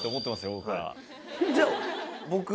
僕ら。